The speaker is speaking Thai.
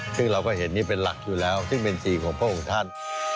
ซึ่งเราก็เห็นนี่เป็นหลักอยู่แล้วซึ่งเป็นสีของพระองค์ท่าน